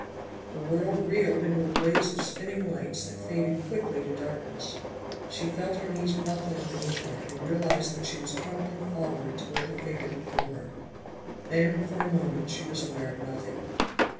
The world reeled into a blaze of spinning lights that faded quickly to darkness. She felt her knees buckling beneath her, and realized that she was crumpling forward toward the figure before her. Then for a moment she was aware of nothing.